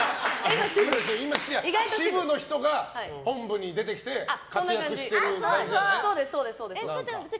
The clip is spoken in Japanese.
支部の人が本部に出てきて活躍してる感じなんだね。